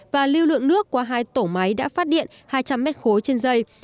và lưu lượng nước qua hai tổ máy đã phát điện hai trăm linh m khối trên giây